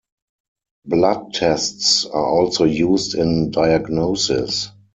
Blood tests are also used in diagnosis.